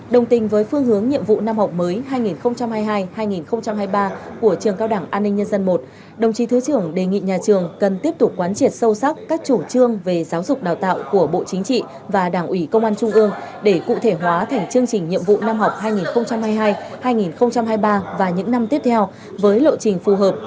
đồng tình với phương hướng nhiệm vụ năm học mới hai nghìn hai mươi hai hai nghìn hai mươi ba của trường cao đẳng an ninh nhân dân i đồng chí thứ trưởng đề nghị nhà trường cần tiếp tục quán triệt sâu sắc các chủ trương về giáo dục đào tạo của bộ chính trị và đảng ủy công an trung ương để cụ thể hóa thành chương trình nhiệm vụ năm học hai nghìn hai mươi hai hai nghìn hai mươi ba và những năm tiếp theo với lộ trình phù hợp